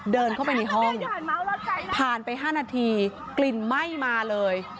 เดินเข้าไปในห้องผ่านไป๕นาทีกลิ่นไหม้มาเลย